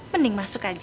mending masuk aja